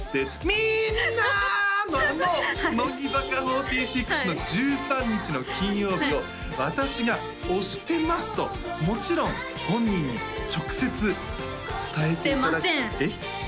みんなのあの乃木坂４６の「１３日の金曜日」の私が推してますともちろん本人に直接伝えててませんえっ？